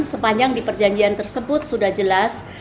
sepanjang di perjanjian tersebut sudah jelas